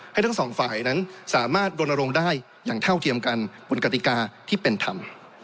ทั้งสองฝ่ายนั้นสามารถรณรงค์ได้อย่างเท่าเทียมกันบนกติกาที่เป็นธรรม